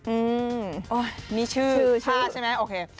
อืมนี่ชื่อผ้าใช่ไหมโอเค